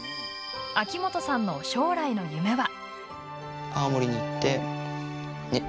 秋元さんの将来の夢は。